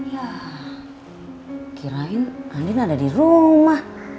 ya kirain andin ada di rumah